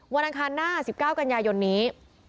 วันอันทางหน้า๑๙กันยายนนี้